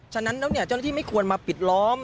ฉะนั้นแล้วเจ้าหน้าที่ไม่ควรมาปิดล้อม